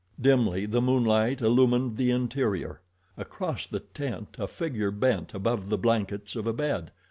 Dimly the moonlight illumined the interior. Across the tent a figure bent above the blankets of a bed.